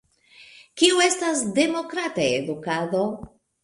Kio estas Demokrata Edukado?